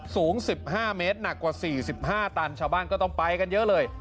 สูงสิบห้าเมตรหนักกว่าสี่สิบห้าตันชาวบ้านก็ต้องไปกันเยอะเลย